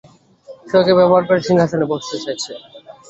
সে ওকে ব্যবহার করে সিংহাসনে বসতে চাইছে।